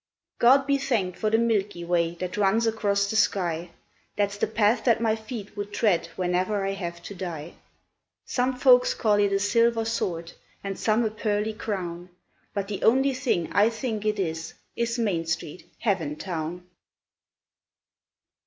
God be thanked for the Milky Way that runs across the sky, That's the path that my feet would tread whenever I have to die. Some folks call it a Silver Sword, and some a Pearly Crown, But the only thing I think it is, is Main Street, Heaventown.